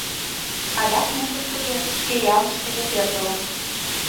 Адак мӧҥгышкыжӧ, шке ялышкыже, пӧртылын.